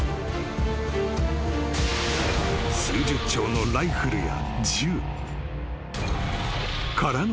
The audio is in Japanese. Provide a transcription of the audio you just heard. ［数十丁のライフルや銃］